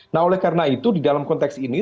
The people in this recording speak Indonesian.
nah oleh karena itu di dalam konteks ini